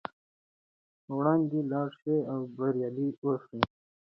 وړاندې لاړ شئ او بریالي اوسئ.